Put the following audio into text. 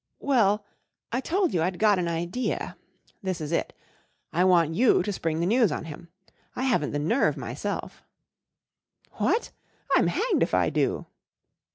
" Well, I told you I'd got an idea* This is it, I want you to spring the news on him. I haven't the nerve myself/' " What E I'm hanged if I do